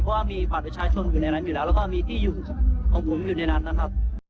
เพราะว่ามีบัตรประชาชนอยู่ในนั้นอยู่แล้วแล้วก็มีที่อยู่ของผมอยู่ในนั้นนะครับ